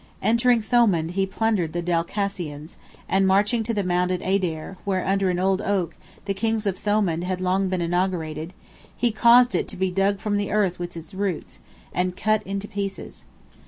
Entering Thomond he plundered the Dalcassians, and marching to the mound at Adair, where, under an old oak, the kings of Thomond had long been inaugurated, he caused it to be "dug from the earth with its roots," and cut into pieces.